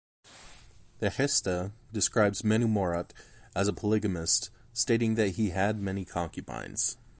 The "Gesta" describes Menumorut as a polygamist, stating that he "had many concubines".